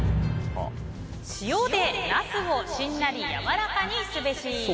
塩でナスをしんなり柔らかにすべし。